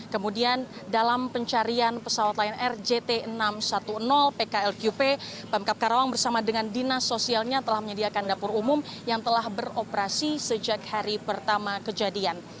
kemudian dalam pencarian pesawat lion air jt enam ratus sepuluh pklqp pemkap karawang bersama dengan dinas sosialnya telah menyediakan dapur umum yang telah beroperasi sejak hari pertama kejadian